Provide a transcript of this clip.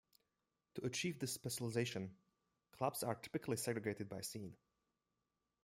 To achieve this specialization, clubs are typically segregated by scene.